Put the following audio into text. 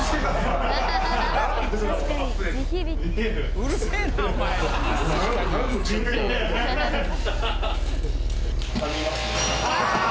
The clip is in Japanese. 「うるせえな！お前」って。